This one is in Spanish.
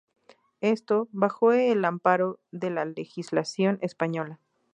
Esto, bajo el amparo de la legislación española.